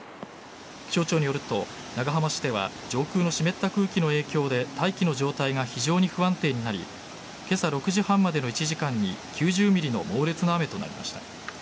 気象庁によると長浜市では上空の湿った空気の影響で大気の状態が非常に不安定になり今朝６時半までの１時間に９０ｍｍの猛烈な雨となりました。